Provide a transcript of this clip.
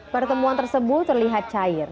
pertemuan tersebut terlihat cair